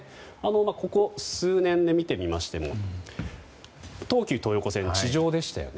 ここ数年で見てみましても東急東横線、地上でしたよね。